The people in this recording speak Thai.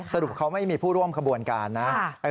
สรุปเขาไม่มีผู้ร่วมขบวนการนะ